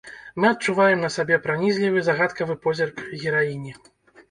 Мы адчуваем на сабе пранізлівы, загадкавы позірк гераіні.